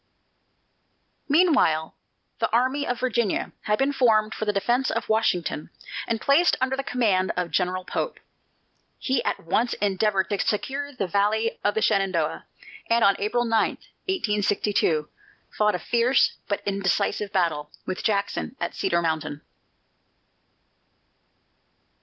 Meanwhile the Army of Virginia had been formed for the defence of Washington, and placed under the command of General Pope. He at once endeavored to secure the valley of the Shenandoah, and on August 9, 1862, fought a fierce but indecisive battle with Jackson at Cedar Mountain.